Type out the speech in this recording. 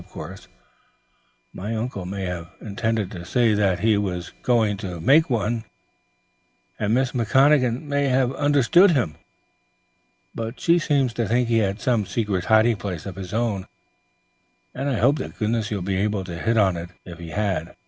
Of course, my uncle may have intended to say that he was going to make one, and Miss McConachan may have misunderstood him, but she seems to think he had some secret hiding place of his own, and I hope to goodness you'll be able to hit on it, if he had.